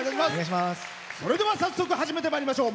それでは早速、始めてまいりましょう。